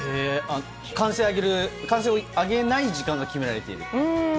歓声を上げない時間が決められている。